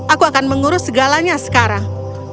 aku akan mengurus segalanya sekarang